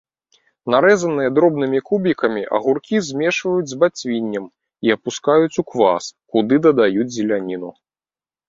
Нарэзаныя дробнымі кубікамі агуркі змешваюць з бацвіннем і апускаюць у квас, куды дадаюць зеляніну.